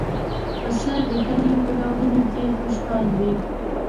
پسه د کلیو په ډاګونو کې خوشحال وي.